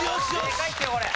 でかいっすよこれ。